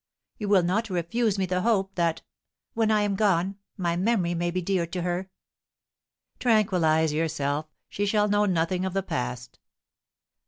You will not refuse me the hope that, when I am gone, my memory may be dear to her?" "Tranquillise yourself, she shall know nothing of the past."